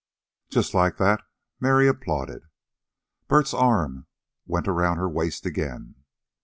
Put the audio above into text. "Just like that," Mary applauded. Bert's arm went around her waist again.